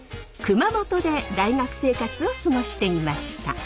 熊本で大学生活を過ごしていました。